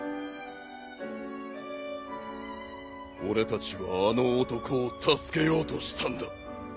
俺たちはあの男を助けようとしたんだ。